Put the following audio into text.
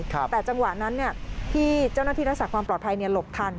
แต่จังหวะนั้นที่เจ้าหน้าที่รักษาความปลอดภัยหลบทัน